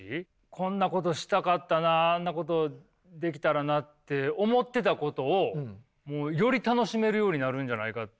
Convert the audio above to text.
こんなことしたかったなあんなことできたらなって思ってたことをもうより楽しめるようになるんじゃないかって。